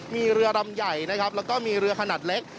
มีเรือลำใหญ่นะครับแล้วก็มีเรือขนาดเล็ก